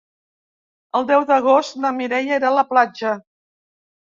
El deu d'agost na Mireia irà a la platja.